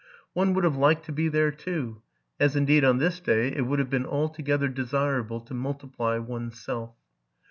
One would have liked to be there too; as indeed, on this day, it would have been altogether desirable to multiply one's self.